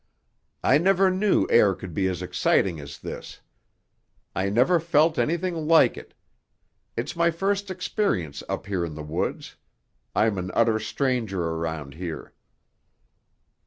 "I never knew air could be as exciting as this. I never felt anything like it. It's my first experience up here in the woods; I'm an utter stranger around here."